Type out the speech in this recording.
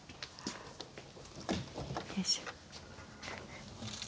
よいしょ。